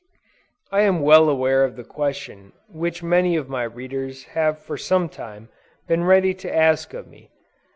I am well aware of the question which many of my readers have for some time been ready to ask of me.